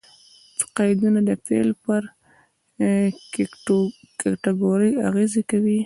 قیدونه د فعل پر کېټګوري اغېز کوي.